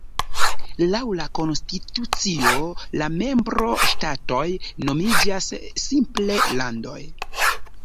Laŭ la konstitucio la membro-ŝtatoj nomiĝas simple "landoj".